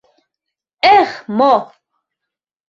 Эх, мо...